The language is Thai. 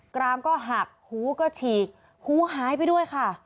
กรามก็หักหูก็ฉีกหูหายไปด้วยค่ะ